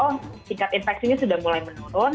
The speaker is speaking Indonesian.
oh tingkat infeksi ini sudah mulai menurun